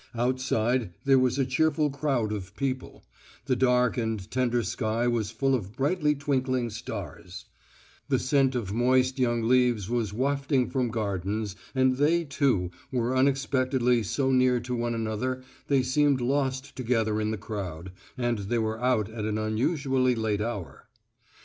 Outside there was a cheerful crowd of people; the dark and tender sky was full of brightly twinkling stars; the scent of moist young leaves was wafted from gardens, and they, too, were unexpectedly so near to one another they seemed lost together in the crowd, and they were out at an unusually late hour.